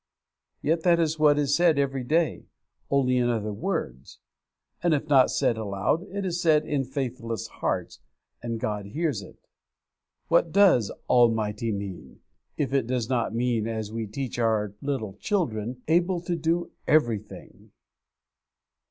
Yet that is what is said every day, only in other words; and if not said aloud, it is said in faithless hearts, and God hears it. What does 'Almighty' mean, if it does not mean, as we teach our little children, 'able to do _everything'?